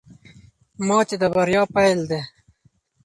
ماتې د بریا پیل دی.